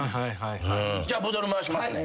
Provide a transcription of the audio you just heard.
じゃボトル回しますね。